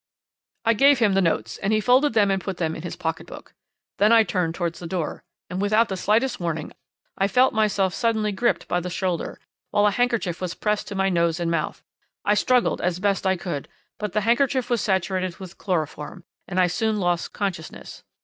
"'"I gave him the notes, and he folded them and put them in his pocket book. Then I turned towards the door, and, without the slightest warning, I felt myself suddenly gripped by the shoulder, while a handkerchief was pressed to my nose and mouth. I struggled as best I could, but the handkerchief was saturated with chloroform, and I soon lost consciousness.